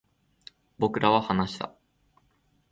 僕らは話した